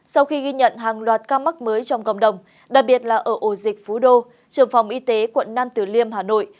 sau khi ghi nhận hàng loạt ca mắc mới trong cộng đồng đặc biệt là ở ổ dịch phú đô trường phòng y tế quận nam tử liêm hà nội